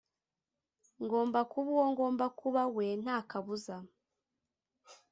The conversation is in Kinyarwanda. Ngomba kuba Uwo ngomba kuba we ntakabuza